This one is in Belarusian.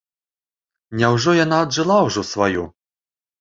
Няўжо яна аджыла ўжо сваё?